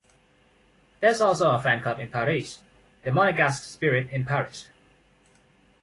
There is also a fan club in Paris, the Monegasque spirit in Paris.